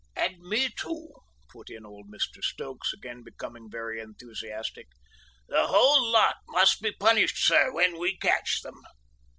"And me too," put in old Mr Stokes, again becoming very enthusiastic. "The whole lot must be punished, sir, when we catch them!"